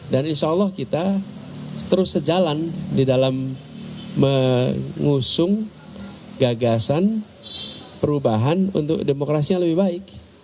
dan insya allah kita terus sejalan di dalam mengusung gagasan perubahan untuk demokrasi yang lebih baik